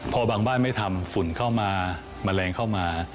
พอบางบ้านไม่ทำฝุ่นเข้ามาแมลงเข้ามา